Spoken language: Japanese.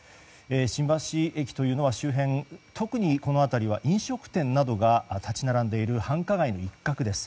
新橋駅というのは周辺、特にこの辺りは飲食店などが立ち並んでいる繁華街の一角です。